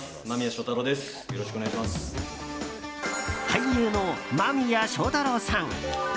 俳優の間宮祥太朗さん。